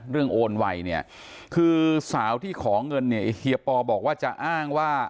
โอนไวเนี่ยคือสาวที่ขอเงินเนี่ยเฮียปอบอกว่าจะอ้างว่า